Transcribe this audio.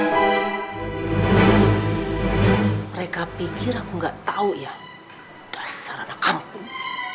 mereka pikir aku gak tau ya dasar anak kampung